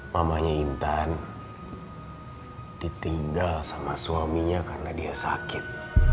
mamanya intan ditinggal sama suaminya karena dia sakit